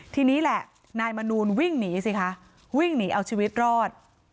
ทีนี้แหละนายมนูลวิ่งหนีสิคะวิ่งหนีเอาชีวิตรอด